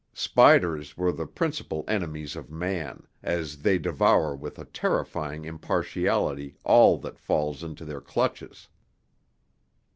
Spiders were the principal enemies of man, as they devour with a terrifying impartiality all that falls into their clutches.